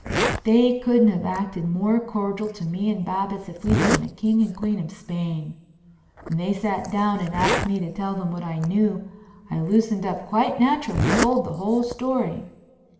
They couldn't have acted more cordial to me and Babbitts if we'd been the King and Queen of Spain. When they sat down and asked me to tell them what I knew I loosened up quite natural and told the whole story.